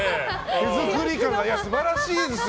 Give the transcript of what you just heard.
手作り感が素晴らしいですよ。